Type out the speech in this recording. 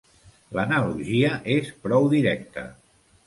L'analogia és prou directa.